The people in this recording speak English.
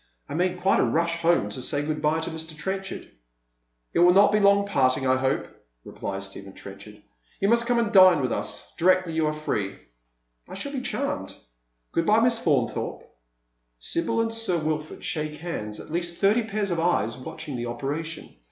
I made quite a rush home to say good bye to Mr. Trenchard." "It will not be a long parting, I hope," replies Stephen Trenchard. " You must come and dine with us directly you are free." " I shall be charmed. Good bye Miss Faunthorpe." Sibyl and Sir Wilford shake hands, at least thirty pairs of eyes watching the operation.